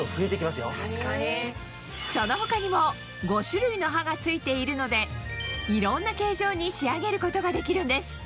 その他にもが付いているのでいろんな形状に仕上げることができるんです